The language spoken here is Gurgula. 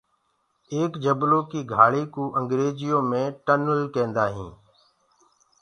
ايڪ جبلو ڪي گھآݪ ڪُو انگريجيو مي ٽنل ڪيندآ هي۔